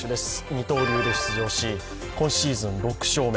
二刀流で出場し、今シーズン６勝目。